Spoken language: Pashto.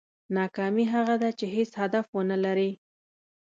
ناکامي هغه ده چې هېڅ هدف ونه لرې.